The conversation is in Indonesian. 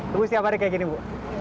tunggu setiap hari kayak gini bu